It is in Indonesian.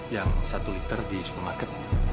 yang satu liter di supermarket